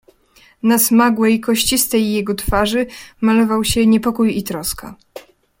"Na smagłej, kościstej jego twarzy malował się niepokój i troska."